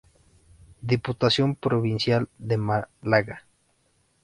Diputación Provincial de Málaga.